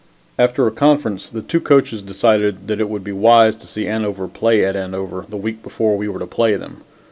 After a conference, the two coaches decided that it would be wise to see Andover play at Andover the week before we were to play them.